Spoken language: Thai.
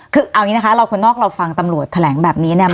คือเอาอย่างนี้นะคะเราคนนอกเราฟังตำรวจแถลงแบบนี้เนี่ย